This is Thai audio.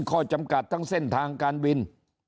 ข้อจำกัดทั้งเส้นทางการบิน